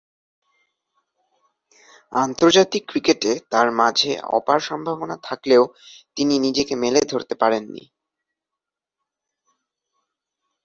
আন্তর্জাতিক ক্রিকেটে তার মাঝে অপার সম্ভাবনা থাকলেও তিনি নিজেকে মেলে ধরতে পারেননি।